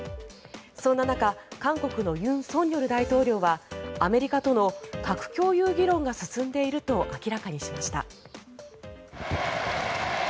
そんな中、韓国の尹錫悦大統領はアメリカとの核共有議論が進んでいると明らかにしました。